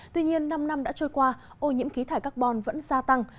tuy nhiên năm năm đã trôi qua ô nhiễm khí thải carbon vẫn gia tăng